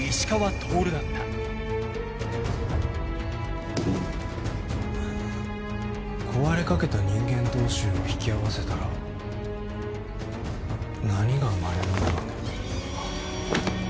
次に壊れかけた人間同士を引き合わせたら何が生まれるんだろうね。